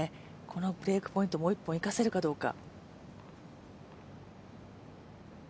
このブレークポイント、もう１本、生かせるかどうか。